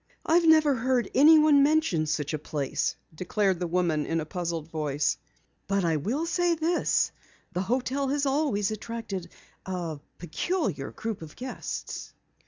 "I've never heard anyone mention such a place," declared the woman in a puzzled voice. "But I will say this. The hotel always has attracted a peculiar group of guests."